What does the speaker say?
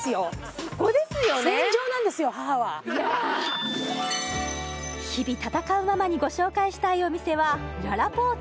そこですよね日々戦うママにご紹介したいお店はららぽーと